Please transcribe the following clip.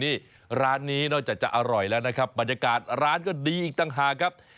นี่ร้านนี้นอกจากจะอร่อยแล้วนะครับบรรยากาศร้านก็ดีอีกต่างหากครับ